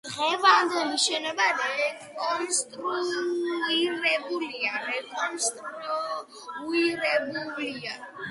დღევანდელი შენობა რეკონსტრუირებულია.